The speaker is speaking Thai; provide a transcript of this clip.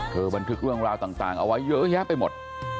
บันทึกเรื่องราวต่างเอาไว้เยอะแยะไปหมด